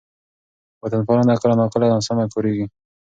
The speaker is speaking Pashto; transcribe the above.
وطن پالنه کله ناکله ناسمه کارېږي.